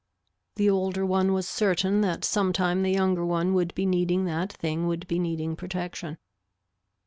The older one was certain that sometime the younger one would be needing that thing would be needing protection.